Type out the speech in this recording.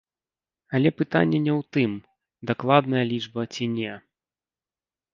Але пытанне не ў тым, дакладная лічба ці не.